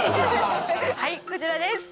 はいこちらです